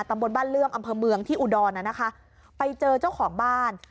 ตำบลบ้านเลื่อมอำเภอเมืองที่อุดรน่ะนะคะไปเจอเจ้าของบ้าน